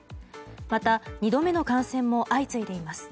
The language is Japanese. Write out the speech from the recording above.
また、２度目の感染も相次いでいます。